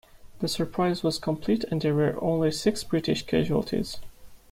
The surprise was complete and there were only six British casualties.